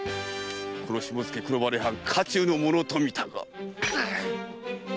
この下野黒羽藩家中の者と見たが？